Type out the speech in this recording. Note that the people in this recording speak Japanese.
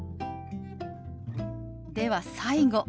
では最後。